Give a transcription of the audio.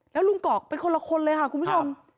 แล้วลุงกอกเป็นคนละคนเลยค่ะคุณผู้ชม